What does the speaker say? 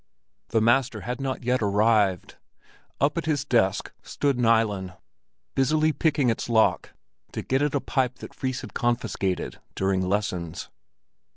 The master had not yet arrived. Up at his desk stood Nilen, busily picking its lock to get at a pipe that Fris had confiscated during lessons.